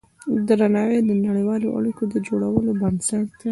درناوی د نړیوالو اړیکو د جوړولو بنسټ دی.